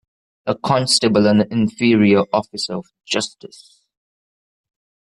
A constable an inferior officer of justice.